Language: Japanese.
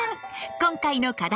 今回の課題